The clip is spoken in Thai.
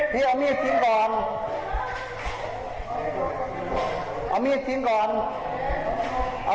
ไปดีกว่ะไปดีกว่ะ